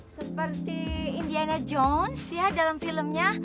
seperti indiana jones ya dalam filmnya